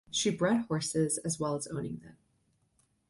She bred horses as well as owning them.